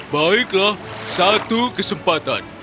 baiklah satu kesempatan